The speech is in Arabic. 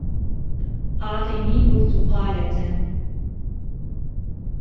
أعطني برتقالة.